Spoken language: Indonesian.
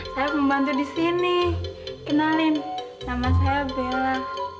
saya membantu di sini kenalin nama saya bella